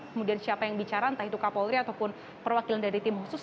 kemudian siapa yang bicara entah itu kapolri ataupun perwakilan dari tim khusus